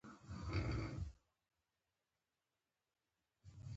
یو په ونه برابر ښکلی سړی چې مېز یې دېواله ډډې ته پروت و.